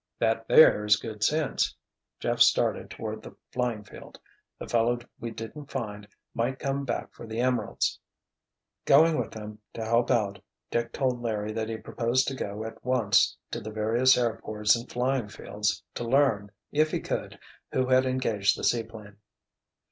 "That there is good sense." Jeff started toward the flying field. "The fellow we didn't find might come back for the emeralds." Going with them, to help out, Dick told Larry that he proposed to go at once to the various airports and flying fields, to learn, if he could, who had engaged the seaplane.